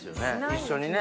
一緒にね。